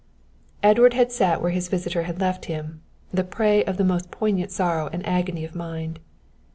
Edward had sat where his visitor had left him, the prey to the most poignant sorrow and agony of mind.